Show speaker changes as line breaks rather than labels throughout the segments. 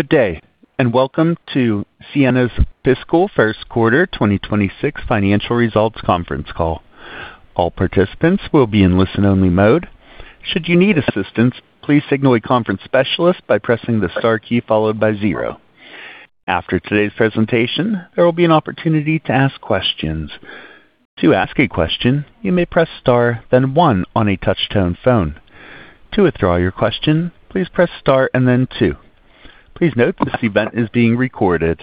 Good day, welcome to Ciena's fiscal first quarter 2026 financial results conference call. All participants will be in listen-only mode. Should you need assistance, please signal a conference specialist by pressing the star key followed by zero. After today's presentation, there will be an opportunity to ask questions. To ask a question, you may press star, then one on a touch-tone phone. To withdraw your question, please press star and then two. Please note this event is being recorded.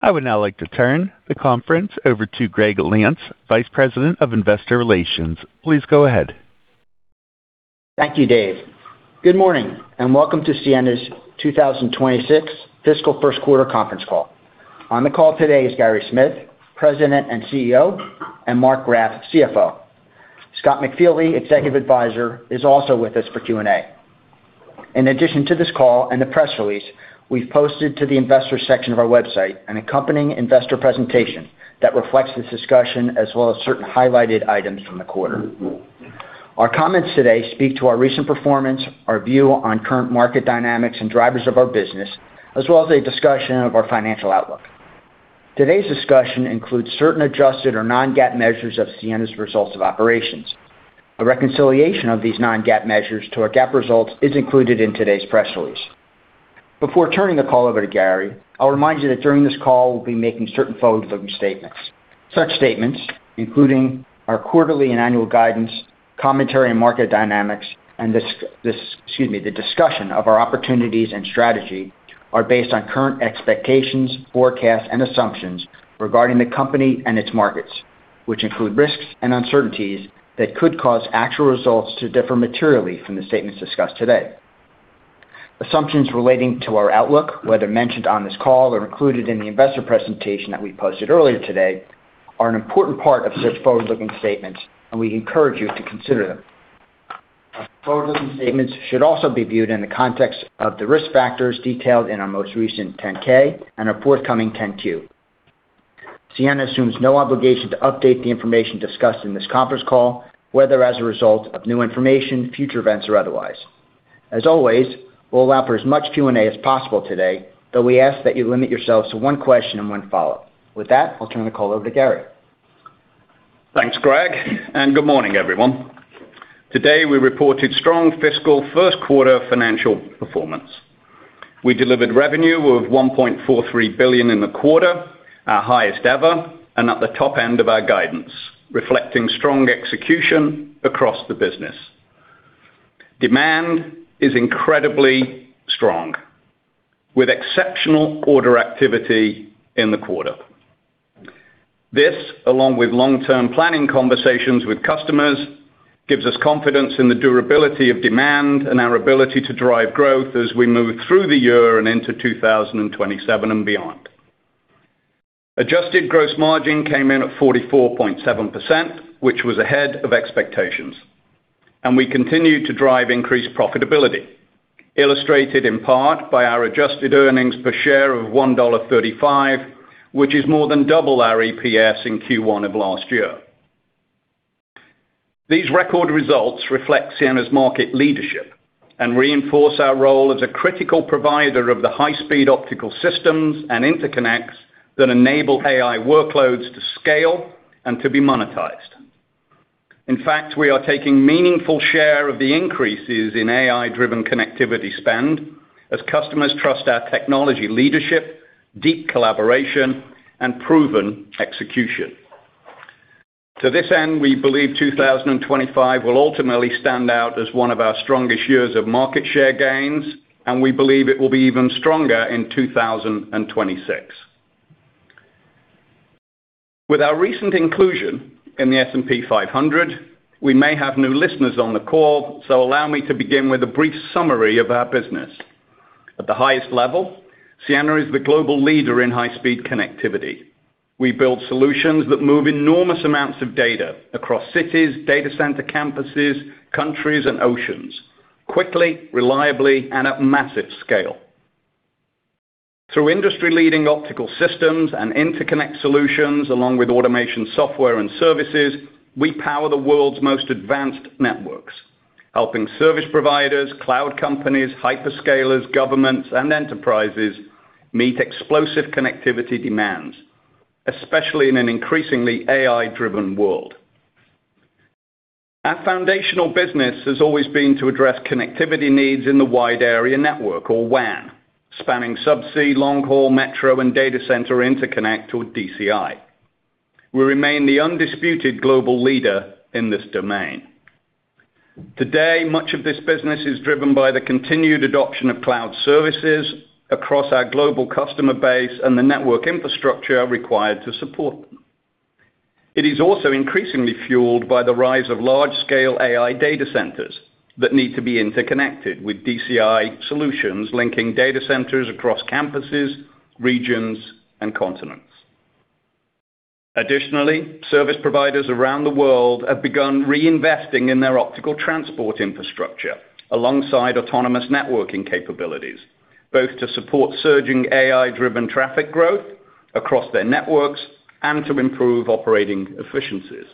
I would now like to turn the conference over to Gregg Lampf, Vice President of Investor Relations. Please go ahead.
Thank you, Dave. Good morning and welcome to Ciena's 2026 fiscal first quarter conference call. On the call today is Gary Smith, President and CEO, and Marc Graff, CFO. Scott McFeely, Executive Advisor, is also with us for Q&A. In addition to this call and the press release, we've posted to the investor section of our website, an accompanying investor presentation that reflects this discussion as well as certain highlighted items from the quarter. Our comments today speak to our recent performance, our view on current market dynamics and drivers of our business, as well as a discussion of our financial outlook. Today's discussion includes certain adjusted or non-GAAP measures of Ciena's results of operations. A reconciliation of these non-GAAP measures to our GAAP results is included in today's press release. Before turning the call over to Gary, I'll remind you that during this call, we'll be making certain forward-looking statements. Such statements, including our quarterly and annual guidance, commentary on market dynamics, and this, excuse me, the discussion of our opportunities and strategy are based on current expectations, forecasts, and assumptions regarding the company and its markets, which include risks and uncertainties that could cause actual results to differ materially from the statements discussed today. Assumptions relating to our outlook, whether mentioned on this call or included in the investor presentation that we posted earlier today, are an important part of such forward-looking statements, and we encourage you to consider them. Our forward-looking statements should also be viewed in the context of the risk factors detailed in our most recent 10-K and our forthcoming 10-Q. Ciena assumes no obligation to update the information discussed in this conference call, whether as a result of new information, future events, or otherwise. As always, we'll allow for as much Q&A as possible today, though we ask that you limit yourselves to one question and one follow-up. With that, I'll turn the call over to Gary.
Thanks, Gregg. Good morning, everyone. Today, we reported strong fiscal first quarter financial performance. We delivered revenue of $1.43 billion in the quarter, our highest ever, and at the top end of our guidance, reflecting strong execution across the business. Demand is incredibly strong, with exceptional order activity in the quarter. This, along with long-term planning conversations with customers, gives us confidence in the durability of demand and our ability to drive growth as we move through the year and into 2027 and beyond. Adjusted gross margin came in at 44.7%, which was ahead of expectations. We continued to drive increased profitability, illustrated in part by our adjusted earnings per share of $1.35, which is more than double our EPS in Q1 of last year. These record results reflect Ciena's market leadership and reinforce our role as a critical provider of the high-speed optical systems and interconnects that enable AI workloads to scale and to be monetized. In fact, we are taking meaningful share of the increases in AI-driven connectivity spend as customers trust our technology leadership, deep collaboration, and proven execution. To this end, we believe 2025 will ultimately stand out as one of our strongest years of market share gains, and we believe it will be even stronger in 2026. With our recent inclusion in the S&P 500, we may have new listeners on the call, so allow me to begin with a brief summary of our business. At the highest level, Ciena is the global leader in high-speed connectivity. We build solutions that move enormous amounts of data across cities, data center campuses, countries, and oceans quickly, reliably, and at massive scale. Through industry-leading optical systems and interconnect solutions, along with automation software and services, we power the world's most advanced networks, helping service providers, cloud companies, hyperscalers, governments, and enterprises meet explosive connectivity demands, especially in an increasingly AI-driven world. Our foundational business has always been to address connectivity needs in the wide area network or WAN, spanning subsea, long-haul, metro, and data center interconnect or DCI. We remain the undisputed global leader in this domain. Today, much of this business is driven by the continued adoption of cloud services across our global customer base and the network infrastructure required to support them. It is also increasingly fueled by the rise of large-scale AI data centers that need to be interconnected with DCI solutions, linking data centers across campuses, regions, and continents. Additionally, service providers around the world have begun reinvesting in their optical transport infrastructure alongside autonomous networking capabilities, both to support surging AI-driven traffic growth across their networks and to improve operating efficiencies.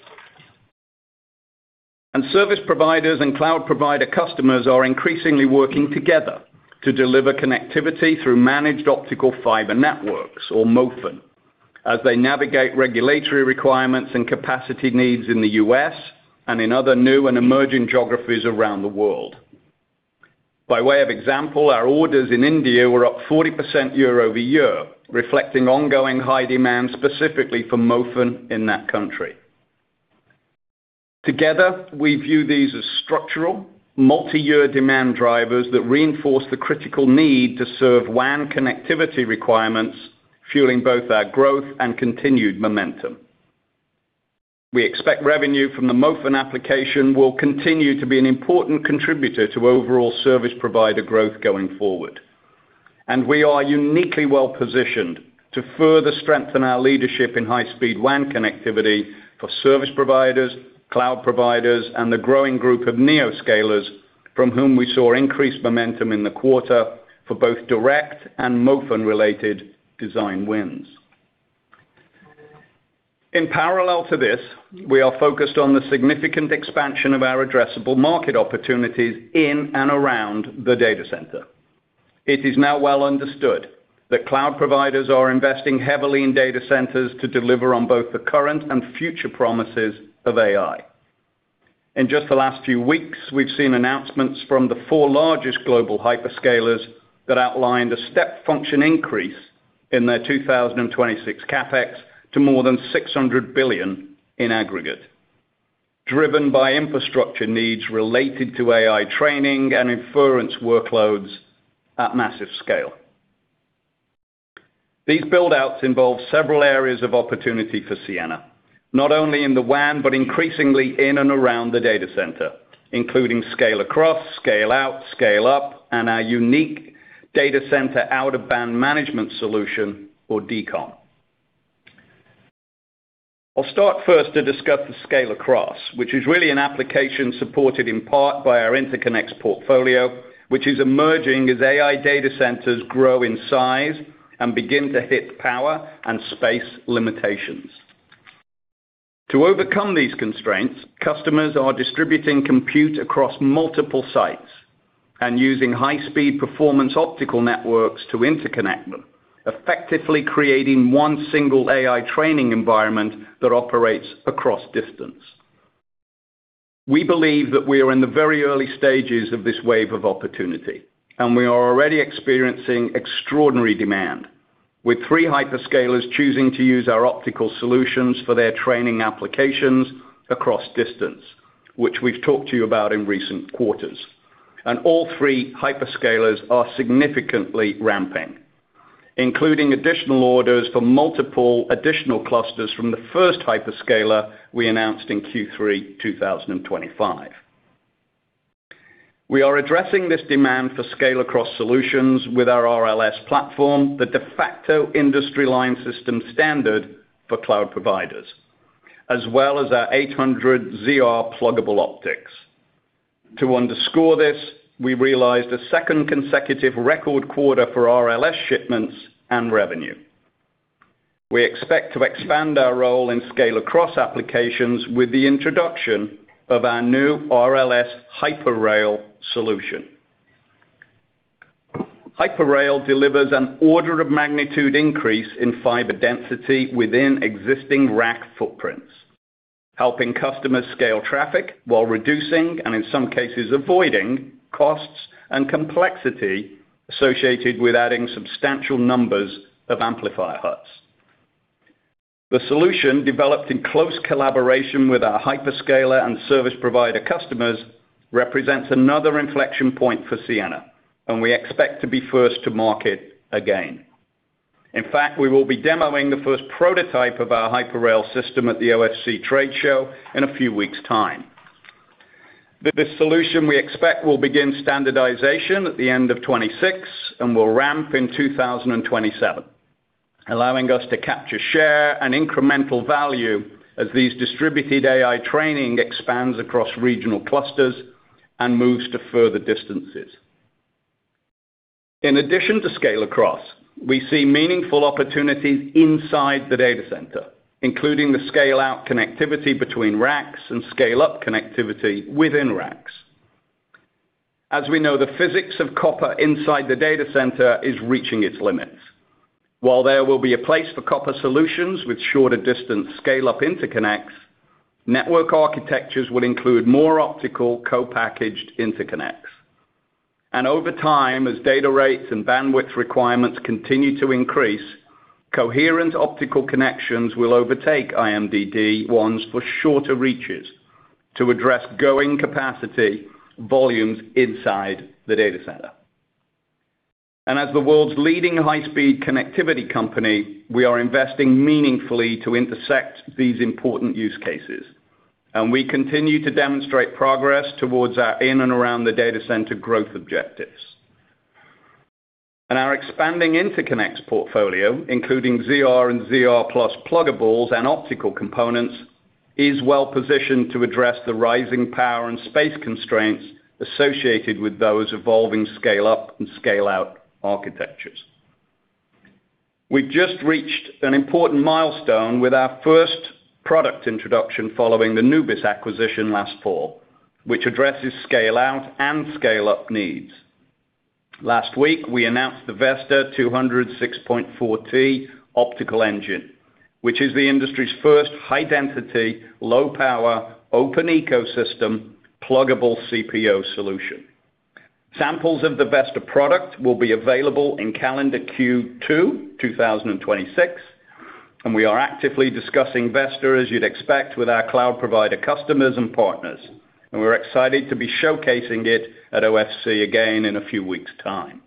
Service providers and cloud provider customers are increasingly working together to deliver connectivity through managed optical fiber networks, or MOFN, as they navigate regulatory requirements and capacity needs in the U.S. and in other new and emerging geographies around the world. By way of example, our orders in India were up 40% year-over-year, reflecting ongoing high demand specifically for MOFN in that country. Together, we view these as structural, multi-year demand drivers that reinforce the critical need to serve WAN connectivity requirements, fueling both our growth and continued momentum. We expect revenue from the MOFN application will continue to be an important contributor to overall service provider growth going forward. We are uniquely well-positioned to further strengthen our leadership in high-speed WAN connectivity for service providers, cloud providers, and the growing group of neoscalers from whom we saw increased momentum in the quarter for both direct and MOFN related design wins. In parallel to this, we are focused on the significant expansion of our addressable market opportunities in and around the data center. It is now well understood that cloud providers are investing heavily in data centers to deliver on both the current and future promises of AI. In just the last few weeks, we've seen announcements from the four largest global hyperscalers that outlined a step function increase in their 2026 CapEx to more than $600 billion in aggregate, driven by infrastructure needs related to AI training and inference workloads at massive scale. These build-outs involve several areas of opportunity for Ciena, not only in the WAN, but increasingly in and around the data center, including scale across, scale out, scale up, and our unique data center out-of-band management solution or DCOM. I'll start first to discuss the scale across, which is really an application supported in part by our interconnects portfolio, which is emerging as AI data centers grow in size and begin to hit power and space limitations. To overcome these constraints, customers are distributing compute across multiple sites and using high-speed performance optical networks to interconnect them, effectively creating one single AI training environment that operates across distance. We believe that we are in the very early stages of this wave of opportunity, and we are already experiencing extraordinary demand, with three hyperscalers choosing to use our optical solutions for their training applications across distance, which we've talked to you about in recent quarters. All three hyperscalers are significantly ramping, including additional orders for multiple additional clusters from the first hyperscaler we announced in Q3 2025. We are addressing this demand for scale across solutions with our RLS platform, the de facto industry line system standard for cloud providers, as well as our 800G ZR pluggable optics. To underscore this, we realized a second consecutive record quarter for RLS shipments and revenue. We expect to expand our role in scale across applications with the introduction of our new RLS hyper-rail solution. Hyper-rail delivers an order of magnitude increase in fiber density within existing rack footprints, helping customers scale traffic while reducing, and in some cases, avoiding costs and complexity associated with adding substantial numbers of amplifier huts. The solution developed in close collaboration with our hyperscaler and service provider customers represents another inflection point for Ciena, and we expect to be first to market again. In fact, we will be demoing the first prototype of our hyper-rail system at the OFC trade show in a few weeks time. This solution we expect will begin standardization at the end of 2026 and will ramp in 2027, allowing us to capture, share, and incremental value as these distributed AI training expands across regional clusters and moves to further distances. In addition to scale across, we see meaningful opportunities inside the data center, including the scale-out connectivity between racks and scale-up connectivity within racks. As we know, the physics of copper inside the data center is reaching its limits. While there will be a place for copper solutions with shorter distance scale-up interconnects, network architectures will include more optical co-packaged interconnects. Over time, as data rates and bandwidth requirements continue to increase, coherent optical connections will overtake IMDD ones for shorter reaches to address going capacity volumes inside the data center. As the world's leading high-speed connectivity company, we are investing meaningfully to intersect these important use cases. We continue to demonstrate progress towards our in and around the data center growth objectives. Our expanding interconnects portfolio, including ZR and ZR+ pluggables and optical components, is well-positioned to address the rising power and space constraints associated with those evolving scale-up and scale-out architectures. We've just reached an important milestone with our first product introduction following the Nubis acquisition last fall, which addresses scale-out and scale-up needs. Last week, we announced the Vesta 200 6.4T optical engine, which is the industry's first high-density, low-power, open ecosystem, pluggable CPO solution. Samples of the Vesta product will be available in calendar Q2, 2026, and we are actively discussing Vesta, as you'd expect, with our cloud provider customers and partners, and we're excited to be showcasing it at OFC again in a few weeks' time.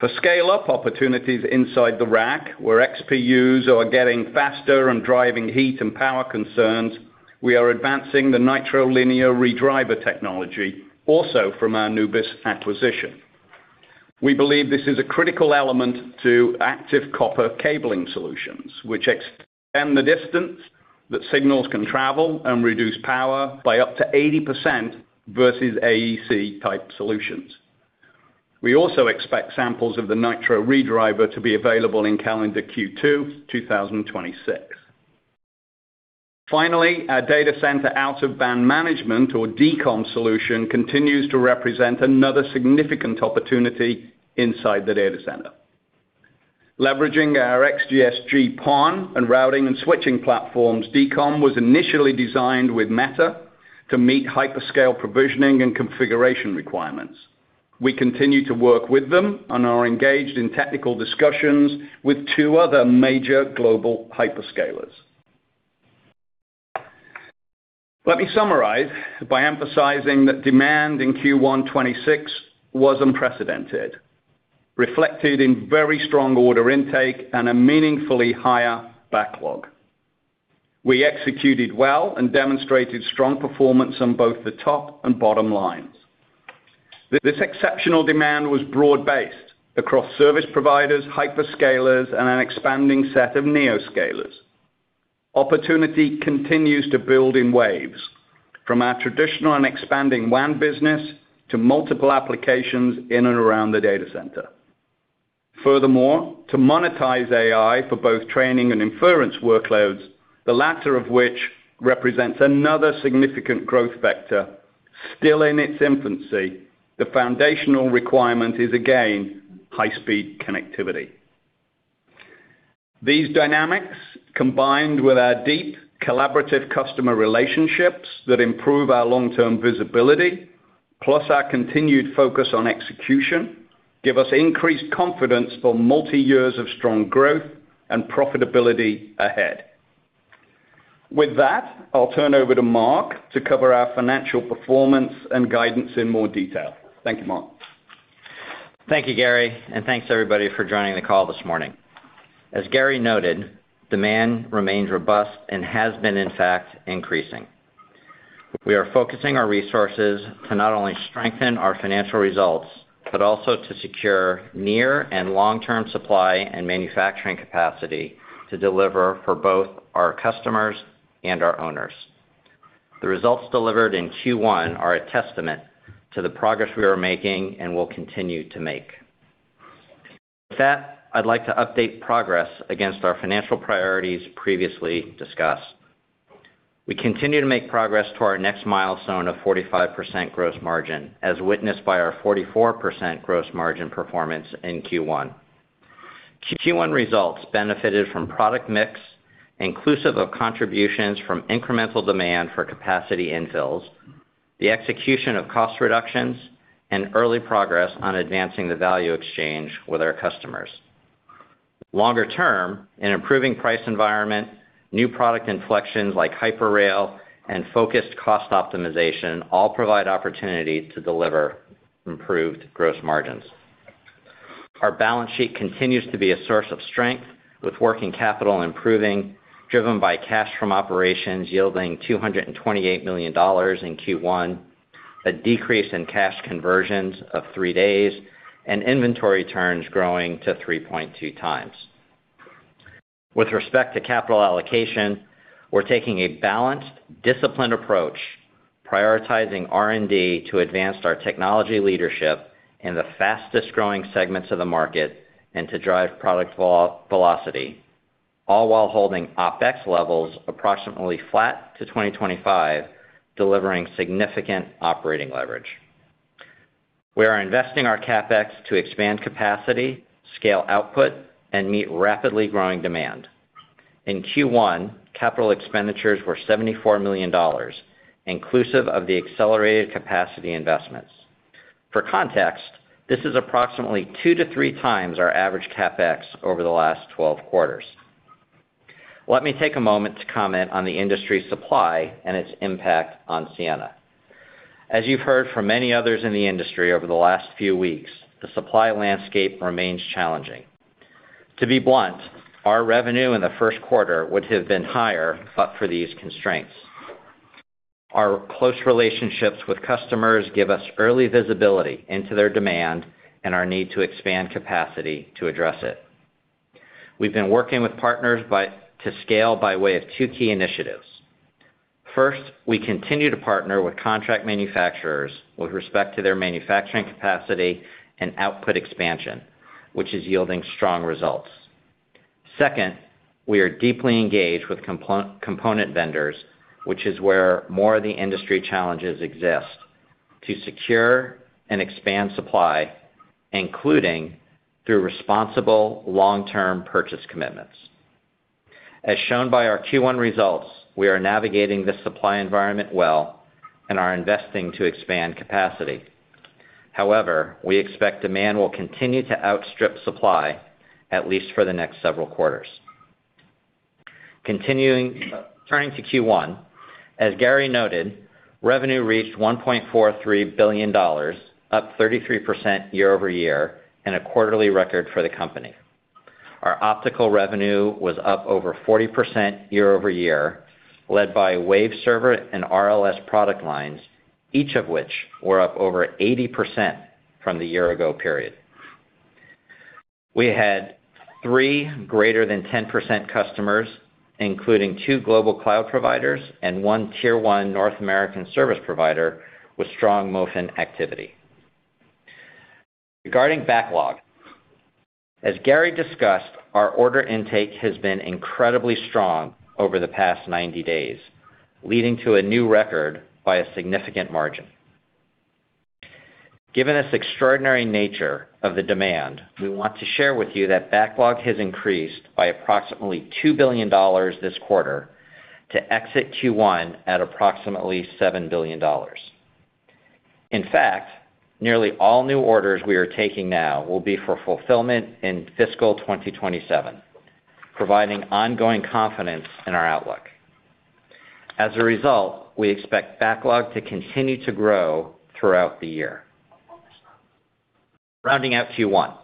For scale-up opportunities inside the rack, where XPUs are getting faster and driving heat and power concerns, we are advancing the Nitro Linear Redriver technology, also from our Nubis acquisition. We believe this is a critical element to active copper cabling solutions, which extend the distance that signals can travel and reduce power by up to 80% vs. AEC-type solutions. We also expect samples of the Nitro Redriver to be available in calendar Q2, 2026. Our data center out-of-band management or DCOM solution continues to represent another significant opportunity inside the data center. Leveraging our XGS-PON and routing and switching platforms, DCOM was initially designed with Meta to meet hyperscale provisioning and configuration requirements. We continue to work with them and are engaged in technical discussions with two other major global hyperscalers. Let me summarize by emphasizing that demand in Q1 2026 was unprecedented, reflected in very strong order intake and a meaningfully higher backlog. We executed well and demonstrated strong performance on both the top and bottom lines. This exceptional demand was broad-based across service providers, hyperscalers, and an expanding set of neoscalers. Opportunity continues to build in waves from our traditional and expanding WAN business to multiple applications in and around the data center. Furthermore, to monetize AI for both training and inference workloads, the latter of which represents another significant growth vector still in its infancy, the foundational requirement is, again, high-speed connectivity. These dynamics, combined with our deep collaborative customer relationships that improve our long-term visibility, plus our continued focus on execution, give us increased confidence for multi years of strong growth and profitability ahead. With that, I'll turn over to Marc to cover our financial performance and guidance in more detail. Thank you, Marc.
Thank you, Gary. Thanks, everybody, for joining the call this morning. As Gary noted, demand remains robust and has been, in fact, increasing. We are focusing our resources to not only strengthen our financial results, but also to secure near and long-term supply and manufacturing capacity to deliver for both our customers and our owners. The results delivered in Q1 are a testament to the progress we are making and will continue to make. With that, I'd like to update progress against our financial priorities previously discussed. We continue to make progress to our next milestone of 45% gross margin, as witnessed by our 44% gross margin performance in Q1. Q1 results benefited from product mix, inclusive of contributions from incremental demand for capacity infills, the execution of cost reductions, and early progress on advancing the value exchange with our customers. Longer term, an improving price environment, new product inflections like hyper-rail and focused cost optimization all provide opportunity to deliver improved gross margins. Our balance sheet continues to be a source of strength with working capital improving, driven by cash from operations yielding $228 million in Q1, a decrease in cash conversions of three days, and inventory turns growing to 3.2 times. With respect to capital allocation, we're taking a balanced, disciplined approach, prioritizing R&D to advance our technology leadership in the fastest-growing segments of the market and to drive product velocity, all while holding OpEx levels approximately flat to 2025, delivering significant operating leverage. We are investing our CapEx to expand capacity, scale output, and meet rapidly growing demand. In Q1, capital expenditures were $74 million, inclusive of the accelerated capacity investments. For context, this is approximately 2-3 times our average CapEx over the last 12 quarters. Let me take a moment to comment on the industry supply and its impact on Ciena. As you've heard from many others in the industry over the last few weeks, the supply landscape remains challenging. To be blunt, our revenue in the first quarter would have been higher but for these constraints. Our close relationships with customers give us early visibility into their demand and our need to expand capacity to address it. We've been working with partners to scale by way of two key initiatives. First, we continue to partner with contract manufacturers with respect to their manufacturing capacity and output expansion, which is yielding strong results. Second, we are deeply engaged with component vendors, which is where more of the industry challenges exist to secure and expand supply, including through responsible long-term purchase commitments. As shown by our Q1 results, we are navigating this supply environment well and are investing to expand capacity. However, we expect demand will continue to outstrip supply at least for the next several quarters. Turning to Q1, as Gary noted, revenue reached $1.43 billion, up 33% year-over-year and a quarterly record for the company. Our optical revenue was up over 40% year-over-year, led by Waveserver and RLS product lines, each of which were up over 80% from the year ago period. We had three greater than 10% customers, including two global cloud providers and one Tier 1 North American service provider with strong motion activity. Regarding backlog, as Gary discussed, our order intake has been incredibly strong over the past 90 days, leading to a new record by a significant margin. Given this extraordinary nature of the demand, we want to share with you that backlog has increased by approximately $2 billion this quarter to exit Q1 at approximately $7 billion. In fact, nearly all new orders we are taking now will be for fulfillment in fiscal 2027, providing ongoing confidence in our outlook. As a result, we expect backlog to continue to grow throughout the year. Rounding out Q1,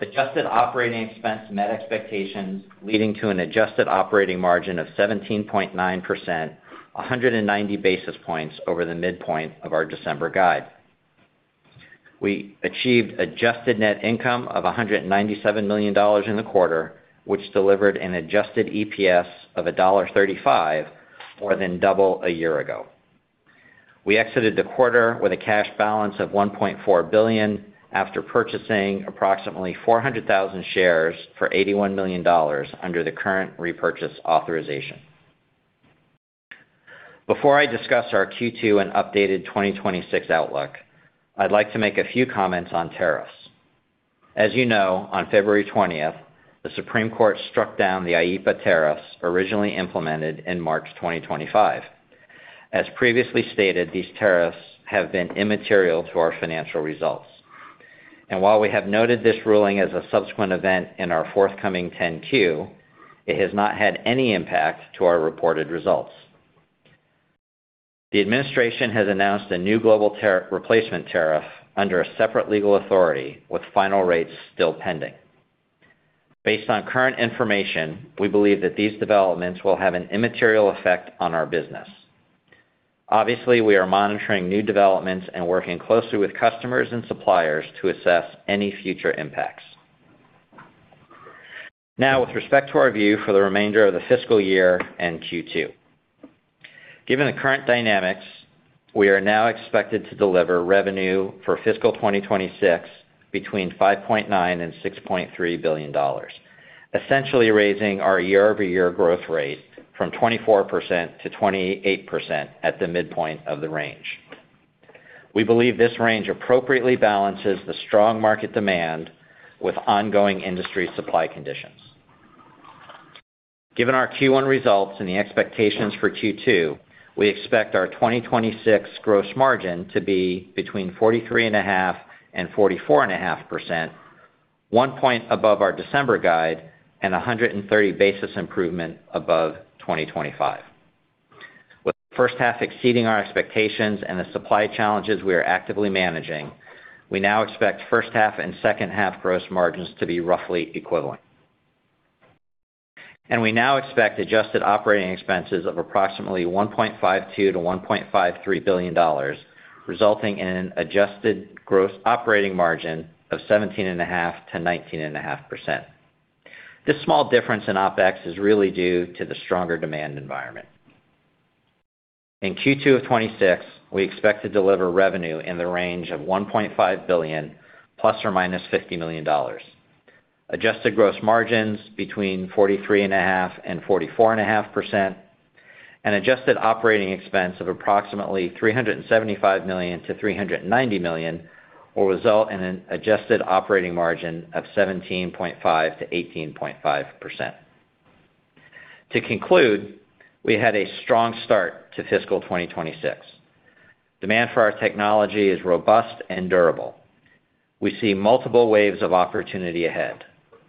adjusted operating expense met expectations, leading to an adjusted operating margin of 17.9%, 190 basis points over the midpoint of our December guide. We achieved adjusted net income of $197 million in the quarter, which delivered an adjusted EPS of $1.35 more than double a year ago. We exited the quarter with a cash balance of $1.4 billion after purchasing approximately 400,000 shares for $81 million under the current repurchase authorization. Before I discuss our Q2 and updated 2026 outlook, I'd like to make a few comments on tariffs. As you know, on February 20th, the Supreme Court struck down the IEPA tariffs originally implemented in March 2025. As previously stated, these tariffs have been immaterial to our financial results. While we have noted this ruling as a subsequent event in our forthcoming 10-Q, it has not had any impact to our reported results. The administration has announced a new global replacement tariff under a separate legal authority with final rates still pending. Based on current information, we believe that these developments will have an immaterial effect on our business. Obviously, we are monitoring new developments and working closely with customers and suppliers to assess any future impacts. With respect to our view for the remainder of the fiscal year and Q2. Given the current dynamics, we are now expected to deliver revenue for fiscal 2026 between $5.9 billion and $6.3 billion, essentially raising our year-over-year growth rate from 24%-28% at the midpoint of the range. We believe this range appropriately balances the strong market demand with ongoing industry supply conditions. Given our Q1 results and the expectations for Q2, we expect our 2026 gross margin to be between 43.5% and 44.5%, one point above our December guide and 130 basis points improvement above 2025. With the first half exceeding our expectations and the supply challenges we are actively managing, we now expect first half and second half gross margins to be roughly equivalent. We now expect adjusted operating expenses of approximately $1.52 billion-$1.53 billion, resulting in an adjusted gross operating margin of 17.5%-19.5%. This small difference in OpEx is really due to the stronger demand environment. In Q2 of 2026, we expect to deliver revenue in the range of $1.5 billion ±$50 million. Adjusted gross margins between 43.5% and 44.5% adjusted operating expense of approximately $375 million-$390 million will result in an adjusted operating margin of 17.5%-18.5%. To conclude, we had a strong start to fiscal 2026. Demand for our technology is robust and durable. We see multiple waves of opportunity ahead,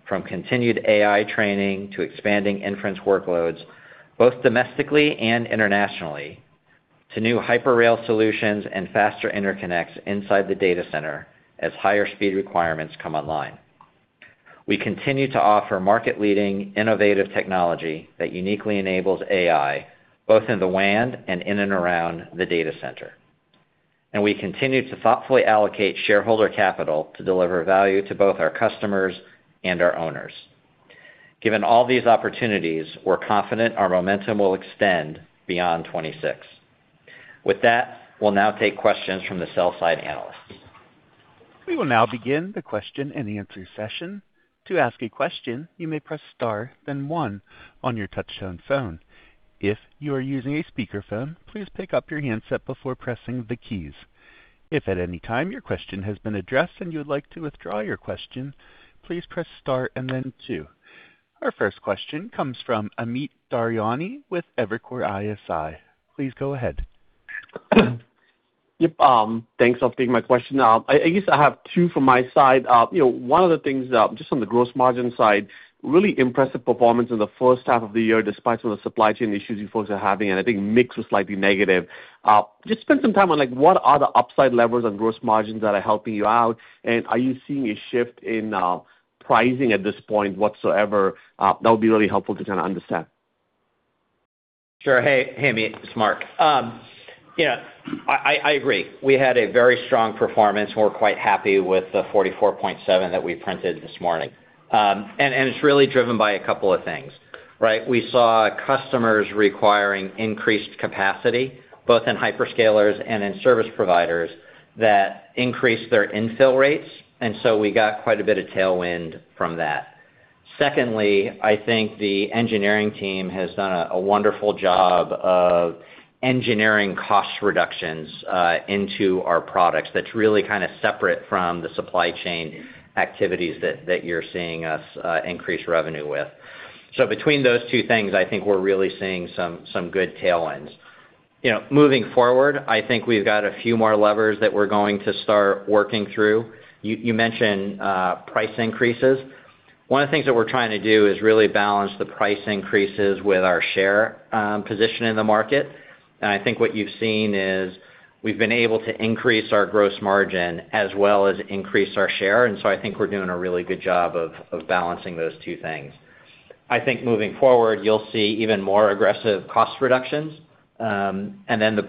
from continued AI training to expanding inference workloads, both domestically and internationally, to new multi-rail solutions and faster interconnects inside the data center as higher speed requirements come online. We continue to offer market-leading innovative technology that uniquely enables AI, both in the WAN and in and around the data center. We continue to thoughtfully allocate shareholder capital to deliver value to both our customers and our owners. Given all these opportunities, we're confident our momentum will extend beyond 2026. With that, we'll now take questions from the sell-side analysts.
We will now begin the question-and-answer session. To ask a question, you may press star then one on your touchtone phone. If you are using a speakerphone, please pick up your handset before pressing the keys. If at any time your question has been addressed and you would like to withdraw your question, please press star and then two. Our first question comes from Amit Daryanani with Evercore ISI. Please go ahead.
Yep. Thanks for taking my question. I guess I have two from my side. You know, one of the things, just on the gross margin side, really impressive performance in the first half of the year, despite some of the supply chain issues you folks are having. I think mix was slightly negative. Just spend some time on, like, what are the upside levers on gross margins that are helping you out. Are you seeing a shift in pricing at this point whatsoever? That would be really helpful to kinda understand.
Sure. Hey, Amit. It's Marc. Yeah, I agree. We had a very strong performance, and we're quite happy with the 44.7% that we printed this morning. It's really driven by a couple of things, right? We saw customers requiring increased capacity, both in hyperscalers and in service providers that increase their infill rates, and so we got quite a bit of tailwind from that. Secondly, I think the engineering team has done a wonderful job of engineering cost reductions into our products that's really kinda separate from the supply chain activities that you're seeing us increase revenue with. Between those two things, I think we're really seeing some good tailwinds. You know, moving forward, I think we've got a few more levers that we're going to start working through. You mentioned price increases. One of the things that we're trying to do is really balance the price increases with our share position in the market. I think what you've seen is we've been able to increase our gross margin as well as increase our share. I think we're doing a really good job of balancing those two things. I think moving forward, you'll see even more aggressive cost reductions. The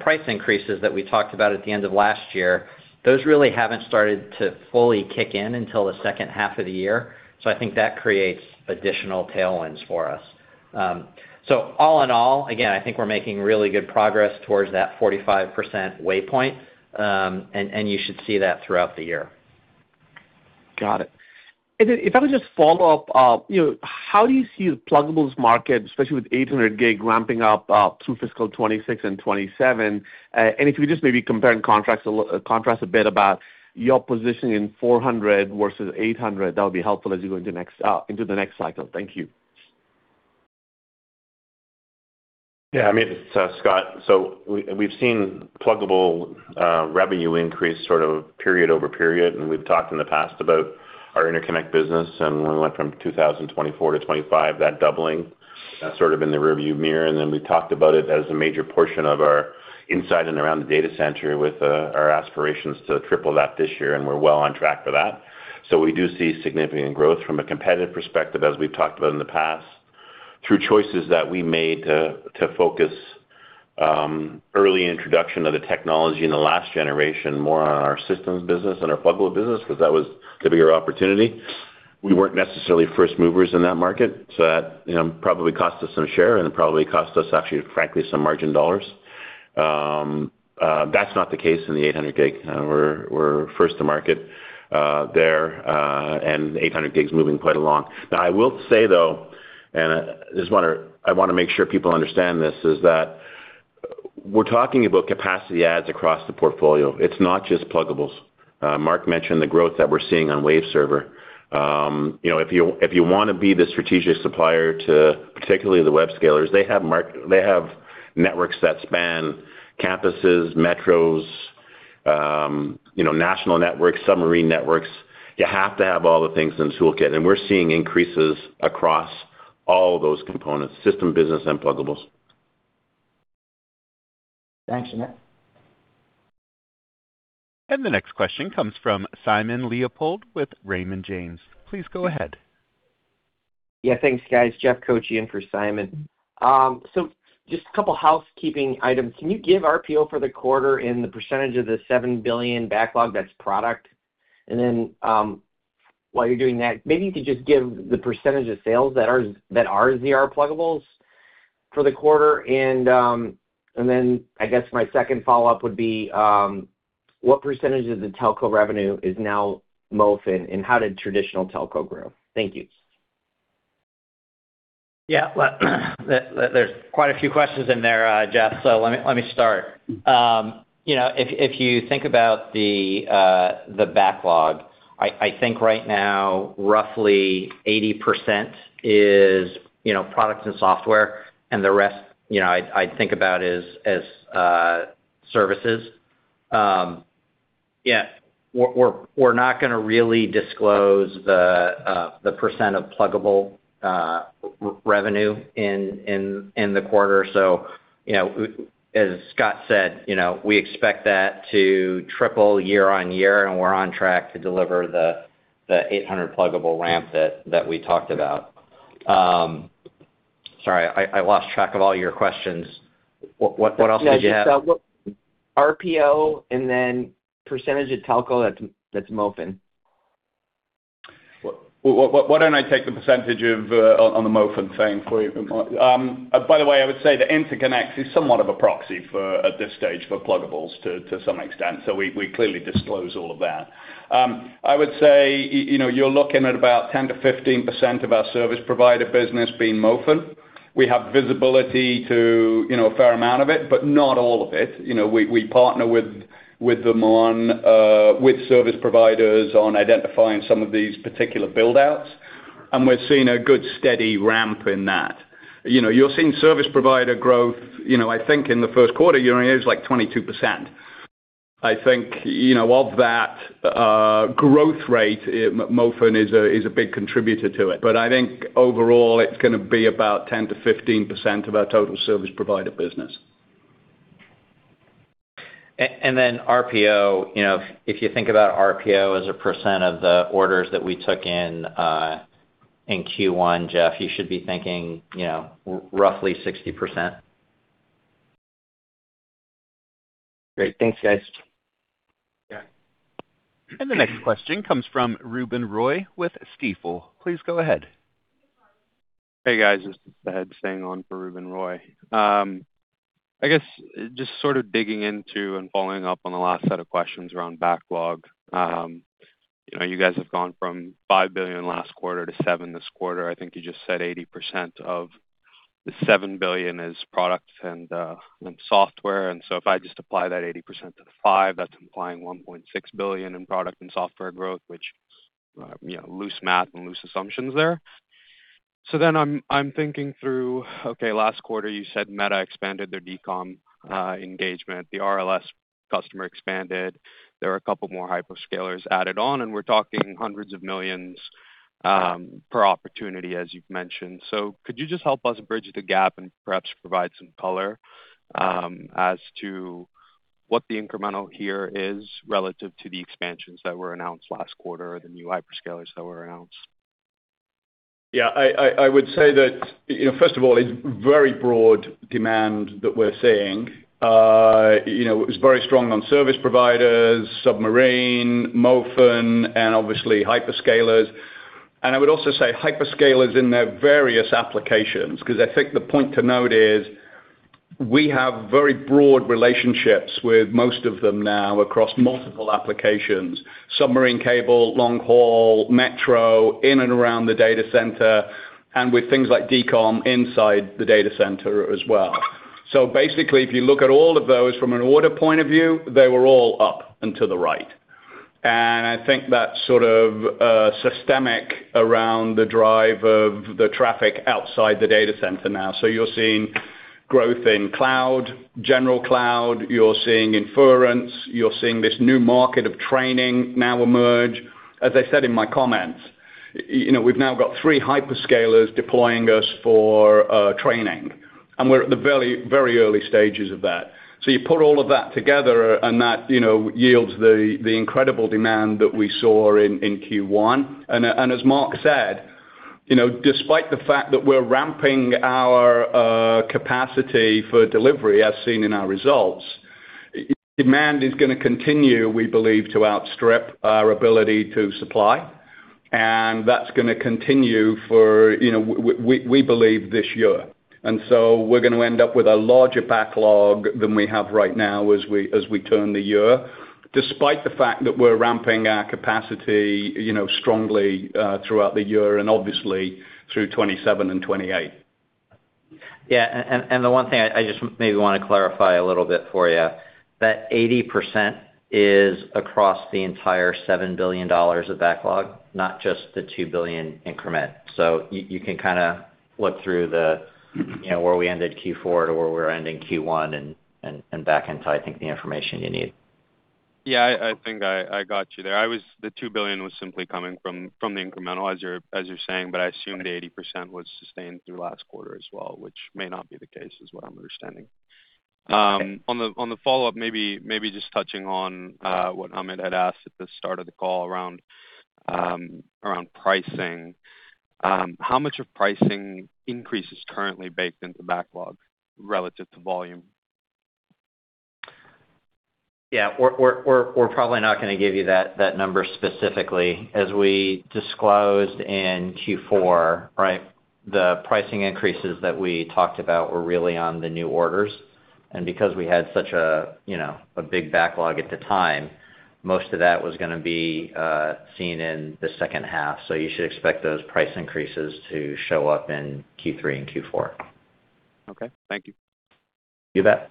price increases that we talked about at the end of last year, those really haven't started to fully kick in until the second half of the year. I think that creates additional tailwinds for us. All in all, again, I think we're making really good progress towards that 45% way point, and you should see that throughout the year.
Got it. If I could just follow up, you know, how do you see the pluggables market, especially with 800G ramping up through fiscal 2026 and 2027? If you just maybe compare and contrast a bit about your position in 400 vs. 800, that would be helpful as you go into next, into the next cycle. Thank you.
Yeah, Amit, it's Scott. We've seen pluggable revenue increase sort of period over period, we've talked in the past about our interconnect business and when we went from 2024-2025, that doubling, that's sort of in the rearview mirror. We talked about it as a major portion of our inside and around the data center with our aspirations to triple that this year, we're well on track for that. We do see significant growth from a competitive perspective, as we've talked about in the past, through choices that we made to focus early introduction of the technology in the last generation more on our systems business and our pluggable business because that was the bigger opportunity. We weren't necessarily first movers in that market, that, you know, probably cost us some share and it probably cost us actually, frankly, some margin dollars. That's not the case in the 800G. We're first to market there, and 800G's moving quite along. I will say, though, and I just wanna make sure people understand this, is that we're talking about capacity adds across the portfolio. It's not just pluggables. Marc mentioned the growth that we're seeing on Waveserver. You know, if you, if you wanna be the strategic supplier to particularly the web scalers, they have networks that span campuses, metros, you know, national networks, submarine networks. You have to have all the things in the toolkit, and we're seeing increases across all those components, system business and pluggables.
Thanks, Amit.
The next question comes from Simon Leopold with Raymond James. Please go ahead.
Yeah. Thanks, guys. Jeff Koche for Simon. Just a couple housekeeping items. Can you give RPO for the quarter in the percentage of the $7 billion backlog that's product? While you're doing that, maybe you could just give the percentage of sales that are ZR Pluggables for the quarter. I guess my second follow-up would be what percentage of the telco revenue is now MOFN and how did traditional telco grow? Thank you.
Yeah. Well, there's quite a few questions in there, Jeff, let me start. You know, if you think about the backlog, I think right now roughly 80% is, you know, products and software and the rest, you know, I'd think about is as services. Yeah, we're not gonna really disclose the percent of pluggable re-revenue in the quarter. You know, as Scott said, you know, we expect that to triple year-on-year, and we're on track to deliver the 800 pluggable ramp that we talked about. Sorry, I lost track of all your questions. What else did you have?
RPO and then percentage of telco that's MOFN.
Why don't I take the percentage of on the MOFN thing for you. By the way, I would say the interconnects is somewhat of a proxy for, at this stage, for pluggables to some extent. We clearly disclose all of that. I would say, you know, you're looking at about 10%-15% of our service provider business being MOFN. We have visibility to, you know, a fair amount of it, but not all of it. You know, we partner with them on with service providers on identifying some of these particular build-outs. We're seeing a good steady ramp in that. You know, you're seeing service provider growth, you know, I think in the first quarter, year-on-year it was like 22%. I think, you know, of that, growth rate, MOFN is a big contributor to it. I think overall, it's gonna be about 10%-15% of our total service provider business.
RPO, you know, if you think about RPO as a percent of the orders that we took in Q1, Jeff, you should be thinking, you know, roughly 60%.
Great. Thanks, guys.
Yeah.
The next question comes from Ruben Roy with Stifel. Please go ahead.
Hey, guys, this is Thad staying on for Ruben Roy. I guess just sort of digging into and following up on the last set of questions around backlog. You know, you guys have gone from $5 billion last quarter to $7 billion this quarter. I think you just said 80% of the $7 billion is products and software. If I just apply that 80% to the $5 billion, that's implying $1.6 billion in product and software growth, which, you know, loose math and loose assumptions there. I'm thinking through, okay, last quarter you said Meta expanded their DCOM engagement, the RLS customer expanded. There are a couple more hyperscalers added on, and we're talking hundreds of millions per opportunity, as you've mentioned. Could you just help us bridge the gap and perhaps provide some color, as to what the incremental here is relative to the expansions that were announced last quarter or the new hyperscalers that were announced?
I would say that, you know, first of all, it's very broad demand that we're seeing. you know, it's very strong on service providers, submarine, MOFN, and obviously hyperscalers. I would also say hyperscalers in their various applications, because I think the point to note is we have very broad relationships with most of them now across multiple applications, submarine cable, long-haul, metro, in and around the data center, and with things like DCOM inside the data center as well. Basically, if you look at all of those from an order point of view, they were all up and to the right. I think that's sort of systemic around the drive of the traffic outside the data center now. You're seeing growth in cloud, general cloud. You're seeing inference. You're seeing this new market of training now emerge. As I said in my comments, you know, we've now got three hyperscalers deploying us for training, and we're at the very, very early stages of that. You put all of that together and that, you know, yields the incredible demand that we saw in Q1. As Marc said, you know, despite the fact that we're ramping our capacity for delivery as seen in our results, demand is gonna continue, we believe, to outstrip our ability to supply, and that's gonna continue for, you know, we believe this year. We're gonna end up with a larger backlog than we have right now as we, as we turn the year, despite the fact that we're ramping our capacity, you know, strongly throughout the year and obviously through 2027 and 2028.
Yeah. The one thing I just maybe want to clarify a little bit for you, that 80% is across the entire $7 billion of backlog, not just the $2 billion increment. You can kinda look through the, you know, where we ended Q4 to where we're ending Q1 and back into, I think, the information you need.
Yeah, I think I got you there. The $2 billion was simply coming from the incremental, as you're saying, but I assumed 80% was sustained through last quarter as well, which may not be the case, is what I'm understanding. On the follow-up, maybe just touching on what Amit had asked at the start of the call around pricing. How much of pricing increase is currently baked into backlog relative to volume?
Yeah. We're probably not gonna give you that number specifically. As we disclosed in Q4, right, the pricing increases that we talked about were really on the new orders. Because we had such a, you know, a big backlog at the time, most of that was gonna be seen in the second half. You should expect those price increases to show up in Q3 and Q4.
Okay. Thank you.
You bet.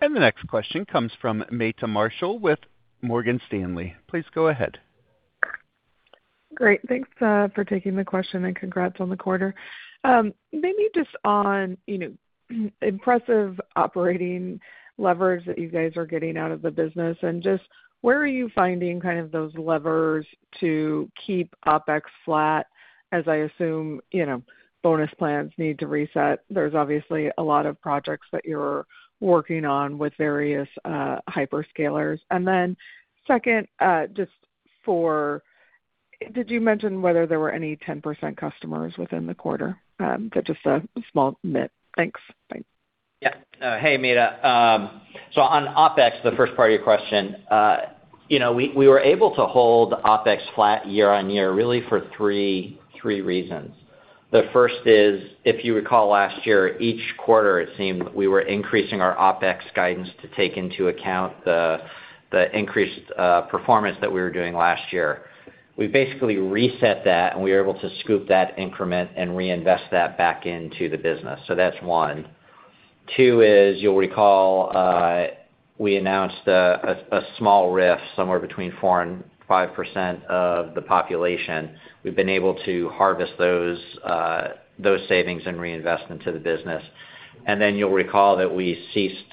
The next question comes from Meta Marshall with Morgan Stanley. Please go ahead.
Great. Thanks for taking the question and congrats on the quarter. Maybe just on, you know, impressive operating levers that you guys are getting out of the business and just where are you finding kind of those levers to keep OpEx flat, as I assume, you know, bonus plans need to reset. There's obviously a lot of projects that you're working on with various hyperscalers. Second, did you mention whether there were any 10% customers within the quarter? Just a small note. Thanks. Bye.
Yeah. Hey, Meta. On OpEx, the first part of your question, you know, we were able to hold OpEx flat year-on-year really for three reasons. The first is, if you recall last year, each quarter it seemed we were increasing our OpEx guidance to take into account the increased performance that we were doing last year. We basically reset that, we were able to scoop that increment and reinvest that back into the business. That's one. Two is, you'll recall, we announced a small RIF, somewhere between 4% and 5% of the population. We've been able to harvest those savings and reinvest into the business. You'll recall that we ceased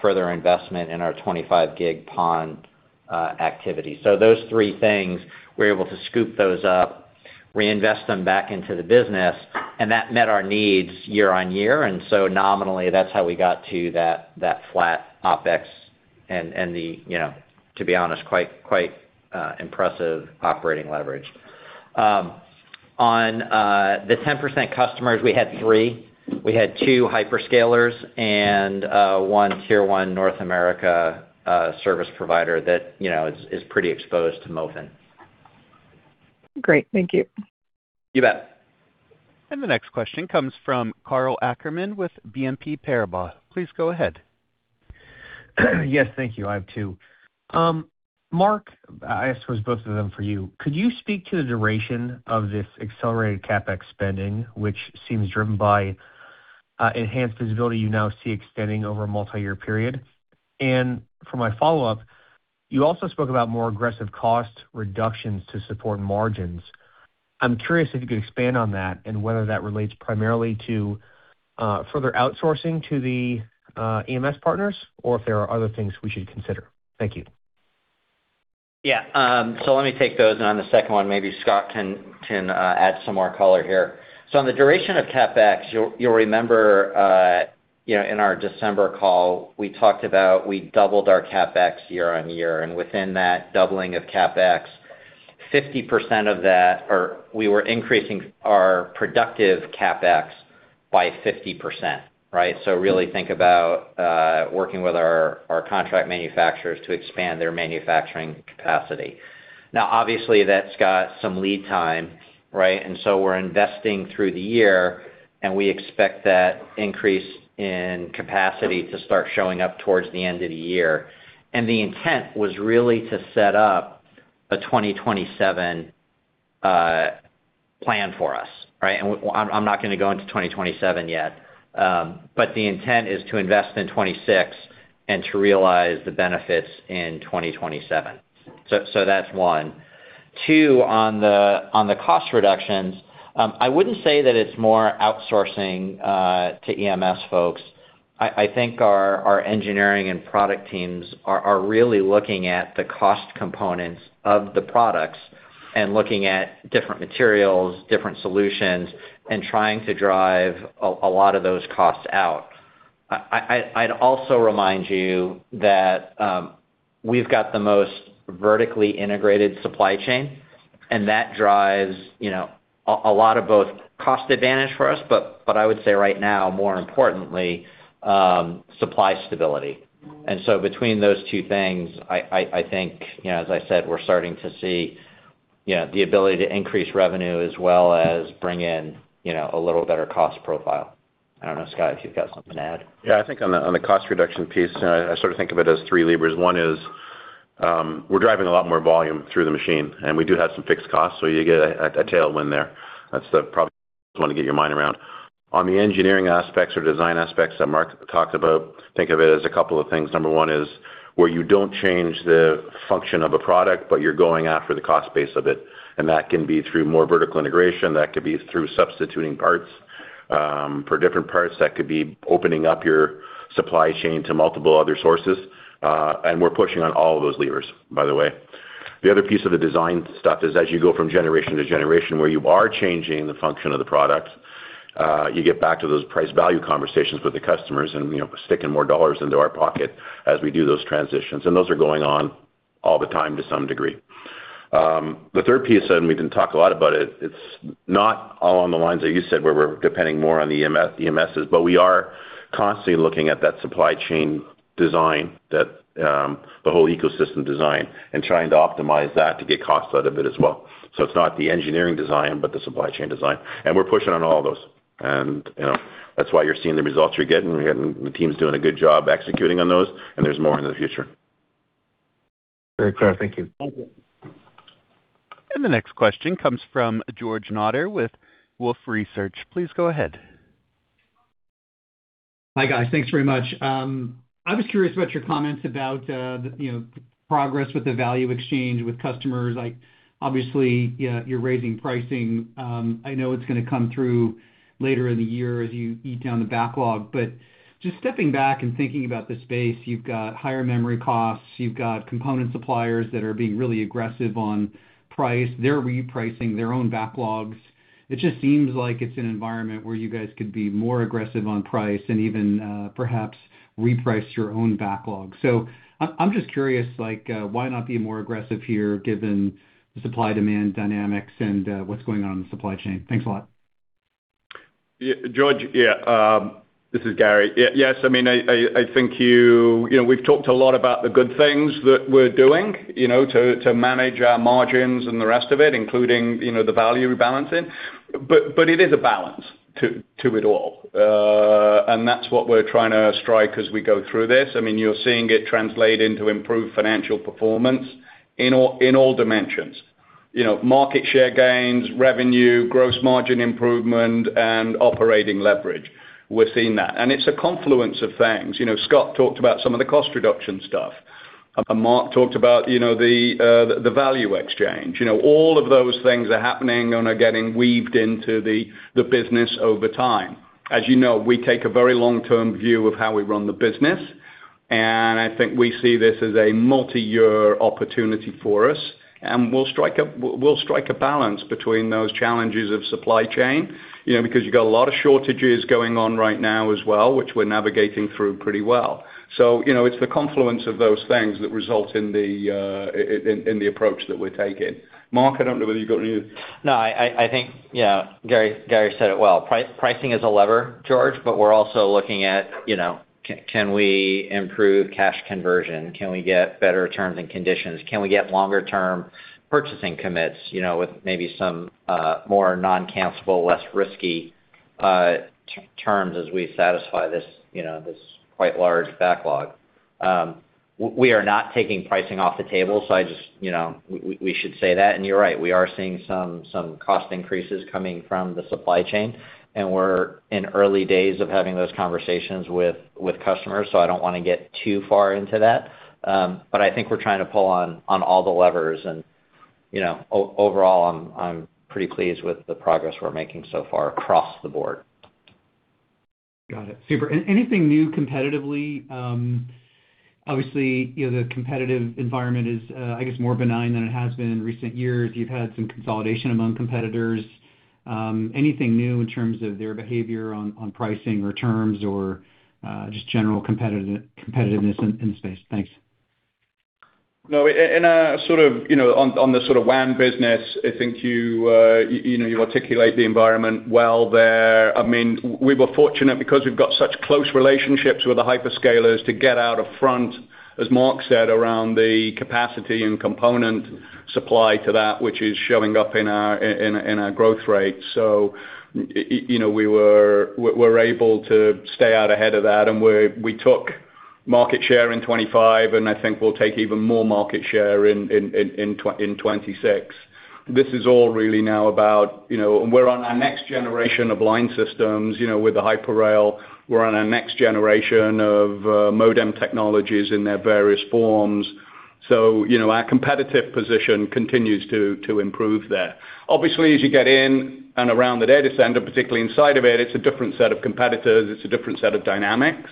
further investment in our 25GS-PON activity. those three things, we were able to scoop those up, reinvest them back into the business, and that met our needs year-over-year, and so nominally, that's how we got to that flat OpEx and the, you know, to be honest, quite impressive operating leverage. On the 10% customers, we had three. We had two hyperscalers and one Tier 1 North America service provider that, you know, is pretty exposed to MOFN.
Great. Thank you.
You bet.
The next question comes from Karl Ackerman with BNP Paribas. Please go ahead.
Yes. Thank you. I have two. Marc, I suppose both of them for you. Could you speak to the duration of this accelerated CapEx spending, which seems driven by enhanced visibility you now see extending over a multiyear period? For my follow-up, you also spoke about more aggressive cost reductions to support margins. I'm curious if you could expand on that and whether that relates primarily to further outsourcing to the EMS partners or if there are other things we should consider. Thank you.
Yeah. Let me take those, and on the second one, maybe Scott can add some more color here. On the duration of CapEx, you'll remember, you know, in our December call, we talked about we doubled our CapEx year-on-year, and within that doubling of CapEx, we were increasing our productive CapEx by 50%, right? Really think about working with our contract manufacturers to expand their manufacturing capacity. Now, obviously, that's got some lead time, right? We're investing through the year, and we expect that increase in capacity to start showing up towards the end of the year. The intent was really to set up a 2027 plan for us, right? I'm not gonna go into 2027 yet, the intent is to invest in 2026 and to realize the benefits in 2027. That's one. Two, on the cost reductions, I wouldn't say that it's more outsourcing to EMS folks. I think our engineering and product teams are really looking at the cost components of the products and looking at different materials, different solutions, and trying to drive a lot of those costs out. I'd also remind you that we've got the most vertically integrated supply chain, that drives, you know, a lot of both cost advantage for us, I would say right now, more importantly, supply stability. Between those two things, I think, you know, as I said, we're starting to see, you know, the ability to increase revenue as well as bring in, you know, a little better cost profile. I don't know, Scott, if you've got something to add.
Yeah. I think on the, on the cost reduction piece, I sort of think of it as three levers. One is, we're driving a lot more volume through the machine, we do have some fixed costs, so you get a tailwind there. That's the probably one to get your mind around. On the engineering aspects or design aspects that Marc talked about, think of it as a couple of things. Number one is where you don't change the function of a product, but you're going after the cost base of it, that can be through more vertical integration, that could be through substituting parts, for different parts, that could be opening up your supply chain to multiple other sources, we're pushing on all of those levers, by the way. The other piece of the design stuff is as you go from generation to generation, where you are changing the function of the product, you get back to those price-value conversations with the customers and, you know, sticking more dollars into our pocket as we do those transitions, and those are going on all the time to some degree. The third piece, and we didn't talk a lot about it's not all on the lines that you said, where we're depending more on the EMSs, but we are constantly looking at that supply chain design that, the whole ecosystem design and trying to optimize that to get costs out of it as well. It's not the engineering design, but the supply chain design, and we're pushing on all those. You know, that's why you're seeing the results you're getting. We're getting the teams doing a good job executing on those, and there's more in the future.
Very clear. Thank you.
The next question comes from George Notter with Wolfe Research. Please go ahead.
Hi, guys. Thanks very much. I was curious about your comments about, you know, progress with the value exchange with customers. Like, obviously, you know, you're raising pricing. I know it's gonna come through later in the year as you eat down the backlog. Just stepping back and thinking about the space, you've got higher memory costs, you've got component suppliers that are being really aggressive on price. They're repricing their own backlogs. It just seems like it's an environment where you guys could be more aggressive on price and even, perhaps reprice your own backlog. I'm just curious, like, why not be more aggressive here given the supply-demand dynamics and, what's going on in the supply chain? Thanks a lot.
Yeah, George. Yeah, this is Gary. Yes, I mean, I think you know, we've talked a lot about the good things that we're doing, you know, to manage our margins and the rest of it, including, you know, the value we're balancing. It is a balance to it all. That's what we're trying to strike as we go through this. I mean, you're seeing it translate into improved financial performance in all dimensions. You know, market share gains, revenue, gross margin improvement, and operating leverage. We're seeing that. It's a confluence of things. You know, Scott talked about some of the cost reduction stuff, and Mark talked about, you know, the value exchange. You know, all of those things are happening and are getting weaved into the business over time. As you know, we take a very long-term view of how we run the business, and I think we see this as a multi-year opportunity for us, and we'll strike a balance between those challenges of supply chain, you know, because you've got a lot of shortages going on right now as well, which we're navigating through pretty well. You know, it's the confluence of those things that result in the in the approach that we're taking. Marc, I don't know whether you've got any.
No, I think, yeah, Gary said it well. Pricing is a lever, George, we're also looking at, you know, can we improve cash conversion? Can we get better terms and conditions? Can we get longer-term purchasing commits, you know, with maybe some more non-cancellable, less risky terms as we satisfy this, you know, this quite large backlog? We are not taking pricing off the table. You know, we should say that. You're right, we are seeing some cost increases coming from the supply chain, and we're in early days of having those conversations with customers, so I don't wanna get too far into that. I think we're trying to pull on all the levers and, you know, overall, I'm pretty pleased with the progress we're making so far across the board.
Got it. Super. Anything new competitively? Obviously, you know, the competitive environment is, I guess more benign than it has been in recent years. You've had some consolidation among competitors. Anything new in terms of their behavior on pricing or terms or just general competitiveness in the space? Thanks.
In a sort of, you know, on the sort of WAN business, I think you know, you articulate the environment well there. I mean, we were fortunate because we've got such close relationships with the hyperscalers to get out of front, as Marc said, around the capacity and component supply to that, which is showing up in our growth rate. You know, we're able to stay out ahead of that, and we took market share in 2025, and I think we'll take even more market share in 2026. This is all really now about, you know, we're on our next generation of line systems, you know, with the multi-rail. We're on our next generation of modem technologies in their various forms. You know, our competitive position continues to improve there. Obviously, as you get in and around the data center, particularly inside of it's a different set of competitors. It's a different set of dynamics.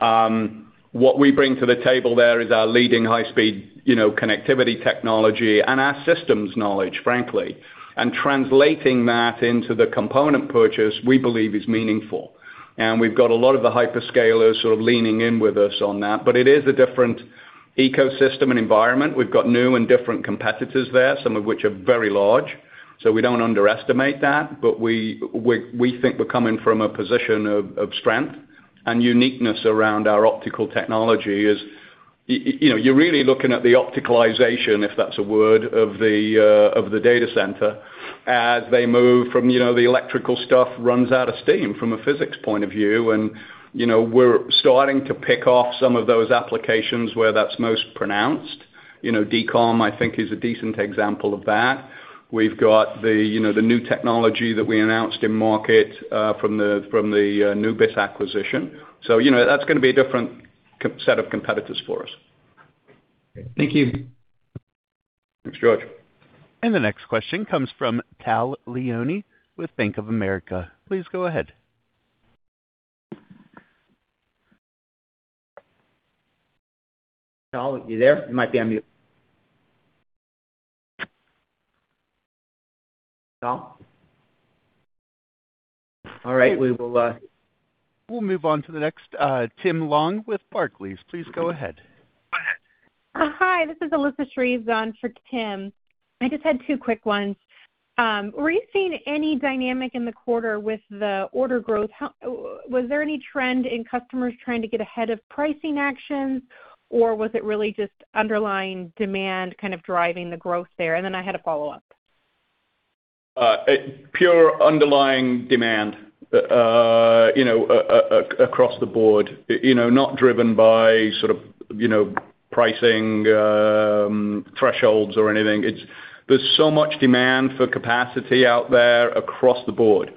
What we bring to the table there is our leading high speed, you know, connectivity technology and our systems knowledge, frankly. Translating that into the component purchase, we believe is meaningful. We've got a lot of the hyperscalers who are leaning in with us on that. It is a different ecosystem and environment. We've got new and different competitors there, some of which are very large. We don't underestimate that. We think we're coming from a position of strength and uniqueness around our optical technology is. You know, you're really looking at the opticalization, if that's a word, of the data center as they move from, you know, the electrical stuff runs out of steam from a physics point of view. You know, we're starting to pick off some of those applications where that's most pronounced. You know, DCOM, I think, is a decent example of that. We've got the, you know, the new technology that we announced in market from the Nubis acquisition. You know, that's gonna be a different set of competitors for us.
Thank you.
Thanks, George.
The next question comes from Tal Liani with Bank of America. Please go ahead.
Tal, are you there? You might be on mute. Tal? All right. We will.
We'll move on to the next, Tim Long with Barclays. Please go ahead.
Go ahead.
Hi, this is Alyssa Shreves on for Tim. I just had two quick ones. Were you seeing any dynamic in the quarter with the order growth? Was there any trend in customers trying to get ahead of pricing actions, or was it really just underlying demand kind of driving the growth there? Then I had a follow-up.
Pure underlying demand, you know, across the board. You know, not driven by sort of, you know, pricing thresholds or anything. There's so much demand for capacity out there across the board.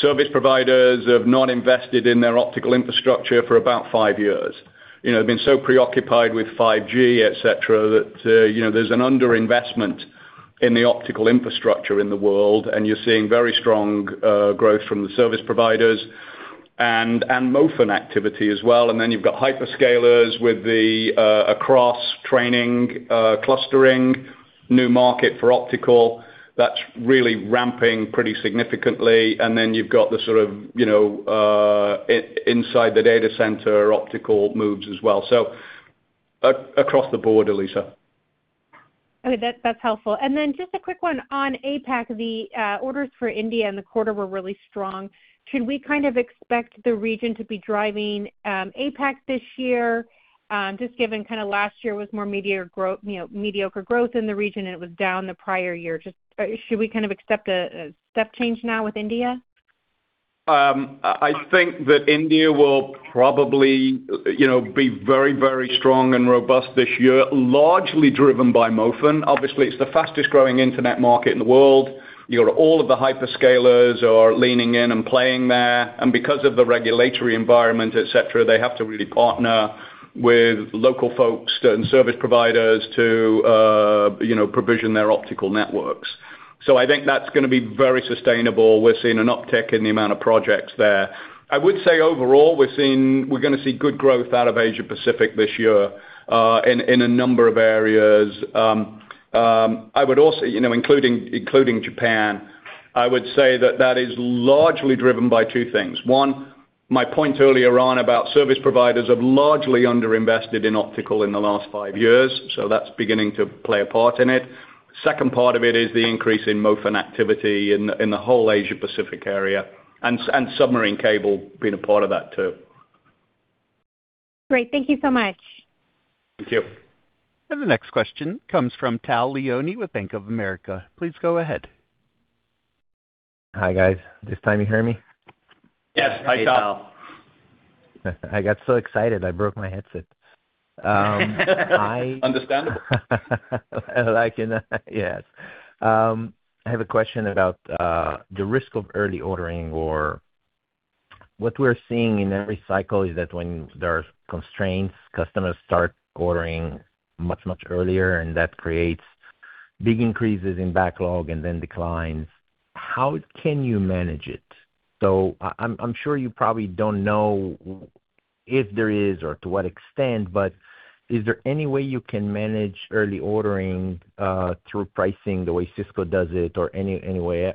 Service providers have not invested in their optical infrastructure for about five years. You know, they've been so preoccupied with 5G, etc., that, you know, there's an underinvestment in the optical infrastructure in the world, and you're seeing very strong growth from the service providers and MOFN activity as well. You've got hyperscalers with the across training clustering new market for optical that's really ramping pretty significantly. You've got the sort of, you know, inside the data center optical moves as well. So across the board, Alyssa.
Okay, that's helpful. Just a quick one on APAC. The orders for India in the quarter were really strong. Should we kind of expect the region to be driving APAC this year, just given kind of last year was more you know, mediocre growth in the region, and it was down the prior year. Should we kind of accept a step change now with India?
I think that India will probably, you know, be very, very strong and robust this year, largely driven by MOFN. Obviously, it's the fastest-growing internet market in the world. You know, all of the hyperscalers are leaning in and playing there. Because of the regulatory environment, etc., they have to really partner with local folks and service providers to, you know, provision their optical networks. I think that's gonna be very sustainable. We're seeing an uptick in the amount of projects there. I would say overall, we're gonna see good growth out of Asia Pacific this year, in a number of areas. I would also, you know, including Japan. I would say that that is largely driven by two things. One, my point earlier on about service providers have largely underinvested in optical in the last five years. That's beginning to play a part in it. Second part of it is the increase in MOFN activity in the whole Asia Pacific area, and submarine cable being a part of that too.
Great. Thank you so much.
Thank you.
The next question comes from Tal Liani with Bank of America. Please go ahead.
Hi, guys. This time you hear me?
Yes. Hi, Tal.
I got so excited I broke my headset.
Understandable.
Like Yes. I have a question about the risk of early ordering or what we're seeing in every cycle is that when there are constraints, customers start ordering much, much earlier, and that creates big increases in backlog and then declines. How can you manage it? I'm sure you probably don't know if there is or to what extent, but is there any way you can manage early ordering through pricing the way Cisco does it or any way,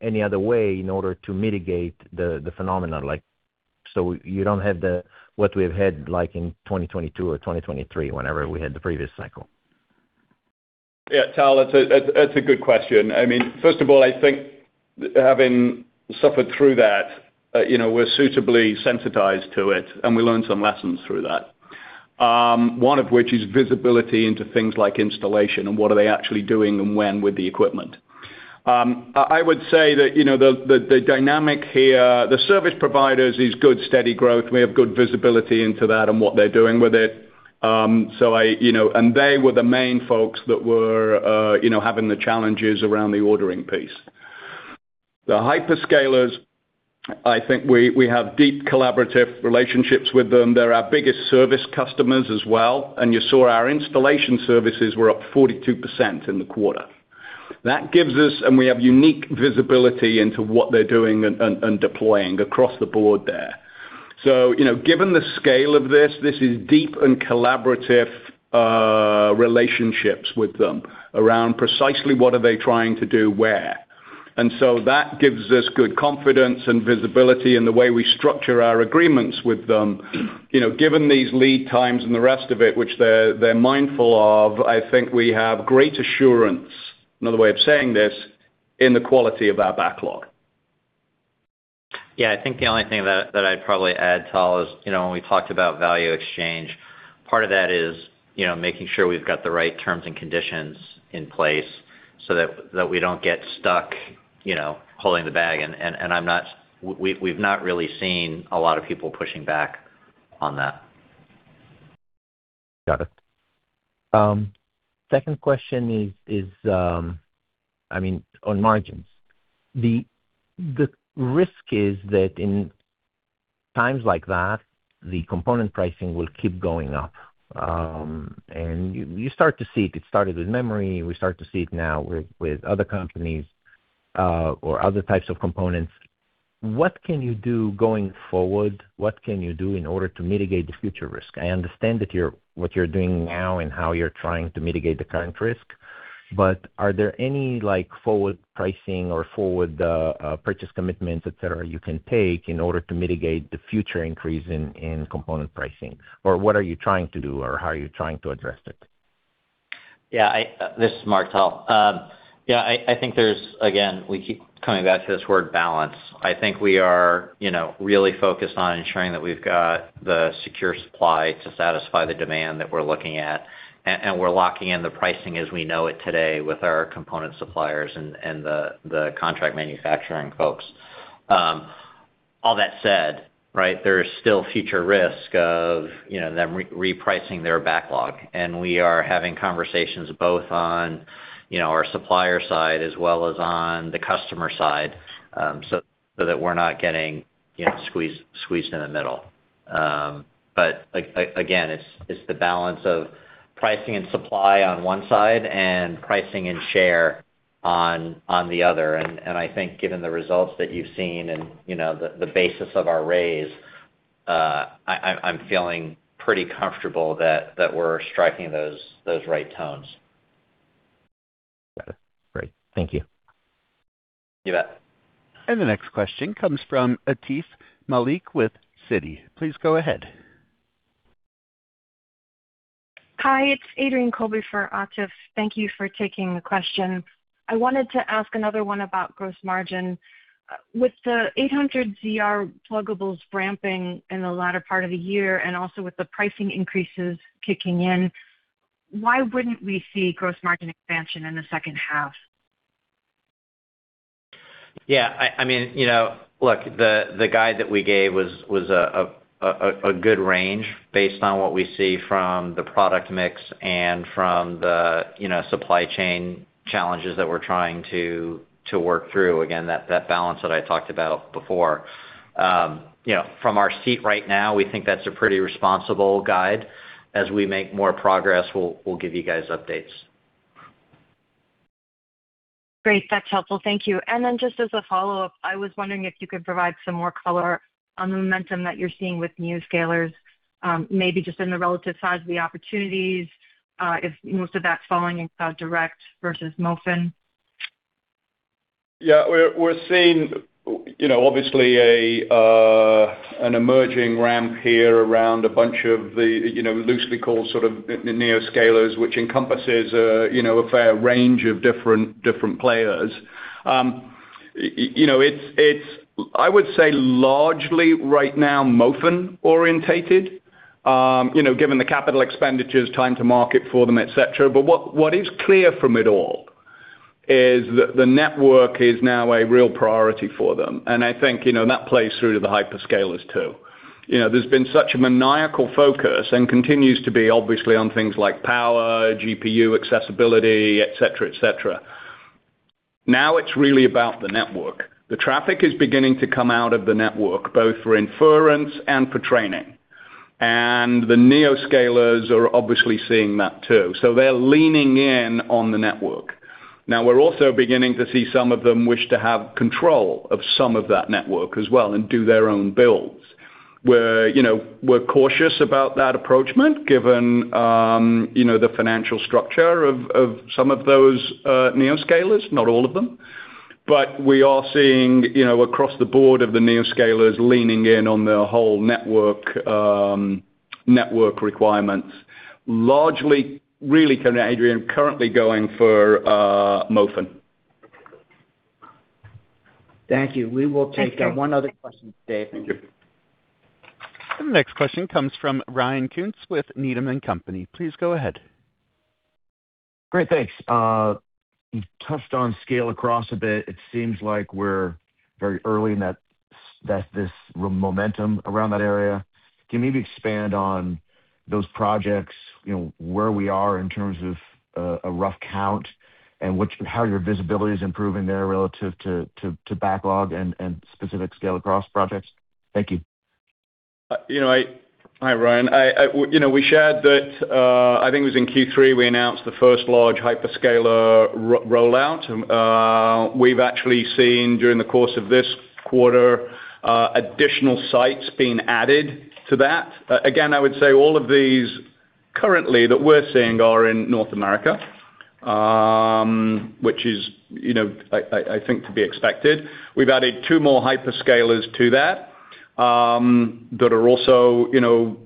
any other way in order to mitigate the phenomenon like so you don't have the, what we've had like in 2022 or 2023 whenever we had the previous cycle.
Yeah, Tal, that's a good question. I mean, first of all, I think having suffered through that, you know, we're suitably sensitized to it, and we learned some lessons through that. One of which is visibility into things like installation and what are they actually doing and when with the equipment. I would say that, you know, the dynamic here, the service providers is good, steady growth. We have good visibility into that and what they're doing with it. So I, you know. They were the main folks that were, you know, having the challenges around the ordering piece. The hyperscalers, I think we have deep collaborative relationships with them. They're our biggest service customers as well, and you saw our installation services were up 42% in the quarter. That gives us, and we have unique visibility into what they're doing and deploying across the board there. You know, given the scale of this is deep and collaborative relationships with them around precisely what are they trying to do where. That gives us good confidence and visibility in the way we structure our agreements with them. You know, given these lead times and the rest of it, which they're mindful of, I think we have great assurance, another way of saying this, in the quality of our backlog.
Yeah. I think the only thing that I'd probably add, Tal, is, you know, when we talked about value exchange, part of that is, you know, making sure we've got the right terms and conditions in place so that we don't get stuck, you know, holding the bag. We've not really seen a lot of people pushing back on that.
Got it. Second question is, I mean, on margins. The risk is that in times like that, the component pricing will keep going up. You start to see it. It started with memory. We start to see it now with other companies, or other types of components. What can you do going forward? What can you do in order to mitigate the future risk? I understand that what you're doing now and how you're trying to mitigate the current risk, but are there any, like, forward pricing or forward purchase commitments, etc., you can take in order to mitigate the future increase in component pricing? What are you trying to do, or how are you trying to address it?
This is Martell. Again, we keep coming back to this word balance. I think we are, you know, really focused on ensuring that we've got the secure supply to satisfy the demand that we're looking at, and we're locking in the pricing as we know it today with our component suppliers and the contract manufacturing folks. All that said, right, there is still future risk of, you know, them repricing their backlog. We are having conversations both on, you know, our supplier side as well as on the customer side, so that we're not getting, you know, squeezed in the middle. Again, it's the balance of pricing and supply on one side and pricing and share on the other. I think given the results that you've seen and, you know, the basis of our raise, I'm feeling pretty comfortable that we're striking those right tones.
Got it. Great. Thank you.
You bet.
The next question comes from Atif Malik with Citi. Please go ahead.
Hi, it's Adrienne Colby for Atif. Thank you for taking the question. I wanted to ask another one about gross margin. With the 800 ZR pluggables ramping in the latter part of the year and also with the pricing increases kicking in, why wouldn't we see gross margin expansion in the second half?
Yeah, I mean, you know, look, the guide that we gave was a good range based on what we see from the product mix and from the, you know, supply chain challenges that we're trying to work through. Again, that balance that I talked about before. You know, from our seat right now, we think that's a pretty responsible guide. As we make more progress, we'll give you guys updates.
Great. That's helpful. Thank you. Just as a follow-up, I was wondering if you could provide some more color on the momentum that you're seeing with neoscalers, maybe just in the relative size of the opportunities, if most of that's falling in cloud direct vs. MOFN.
Yeah. We're seeing, you know, obviously an emerging ramp here around a bunch of the, you know, loosely called sort of neoscalers, which encompasses, you know, a fair range of different players. You know, it's I would say largely right now MOFN orientated, you know, given the capital expenditures, time to market for them, etc.. What is clear from it all is the network is now a real priority for them. I think, you know, that plays through to the hyperscalers too. You know, there's been such a maniacal focus, and continues to be obviously on things like power, GPU accessibility, etc., etc. Now it's really about the network. The traffic is beginning to come out of the network, both for inference and for training. The neoscalers are obviously seeing that too. They're leaning in on the network. Now, we're also beginning to see some of them wish to have control of some of that network as well and do their own builds. We're, you know, we're cautious about that approachment, given, you know, the financial structure of some of those neoscalers, not all of them. We are seeing, you know, across the board of the neoscalers leaning in on the whole network requirements, largely, really, Adrienne, currently going for MOFN.
Thank you. We will take one other question today.
The next question comes from Ryan Koontz with Needham & Company. Please go ahead.
Great. Thanks. You touched on scale across a bit. It seems like we're very early in that this momentum around that area. Can you maybe expand on those projects, you know, where we are in terms of a rough count and how your visibility is improving there relative to backlog and specific scale across projects? Thank you.
You know, Hi, Ryan. I, you know, we shared that, I think it was in Q3, we announced the first large hyperscaler rollout. We've actually seen during the course of this quarter, additional sites being added to that. Again, I would say all of these currently that we're seeing are in North America, which is, you know, I think to be expected. We've added two more hyperscalers to that are also, you know,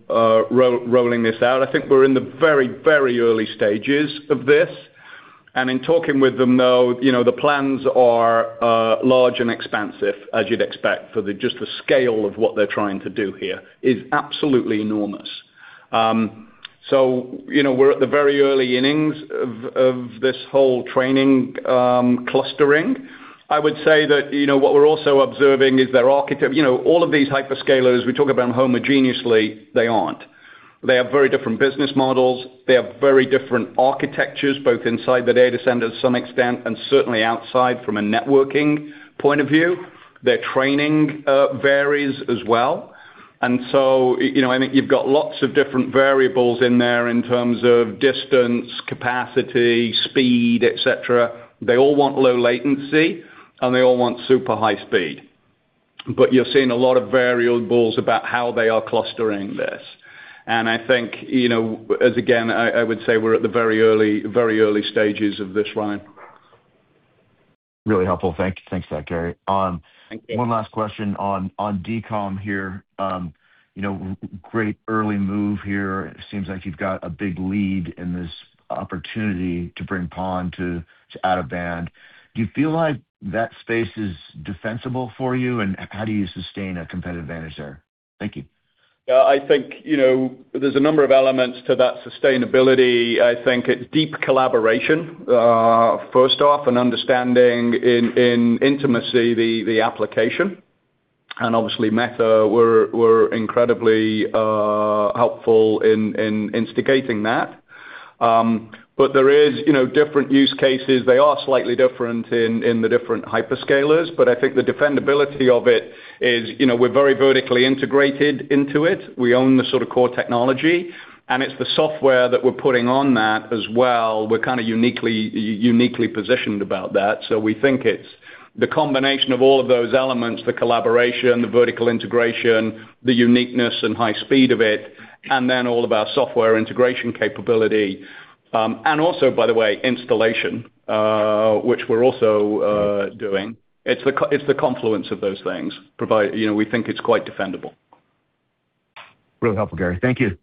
rolling this out. I think we're in the very, very early stages of this. In talking with them, though, you know, the plans are large and expansive, as you'd expect for the, just the scale of what they're trying to do here is absolutely enormous. So, you know, we're at the very early innings of this whole training, clustering. I would say that, you know, what we're also observing is all of these hyperscalers, we talk about them homogeneously, they aren't. They have very different business models. They have very different architectures, both inside the data center to some extent, and certainly outside from a networking point of view. Their training varies as well. You know, I think you've got lots of different variables in there in terms of distance, capacity, speed, etc. They all want low latency, and they all want super high speed. You're seeing a lot of variables about how they are clustering this. I think, you know, as again, I would say we're at the very early stages of this one.
Really helpful. Thank you. Thanks for that, Gary. One last question on DCOM here. You know, great early move here. It seems like you've got a big lead in this opportunity to bring PON to out-of-band. Do you feel like that space is defensible for you, and how do you sustain a competitive advantage there? Thank you.
Yeah, I think, you know, there's a number of elements to that sustainability. I think it's deep collaboration, first off, and understanding in intimacy the application. Obviously Meta were incredibly helpful in instigating that. There is, you know, different use cases. They are slightly different in the different hyperscalers, but I think the defendability of it is, you know, we're very vertically integrated into it. We own the sort of core technology, and it's the software that we're putting on that as well. We're kinda uniquely positioned about that. We think it's the combination of all of those elements, the collaboration, the vertical integration, the uniqueness and high speed of it, and then all of our software integration capability, and also, by the way, installation, which we're also doing. It's the confluence of those things provide. You know, we think it's quite defendable.
Really helpful, Gary. Thank you.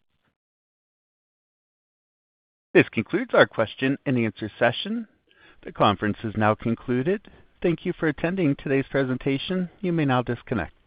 This concludes our question-and-answer session. The conference is now concluded. Thank you for attending today's presentation. You may now disconnect.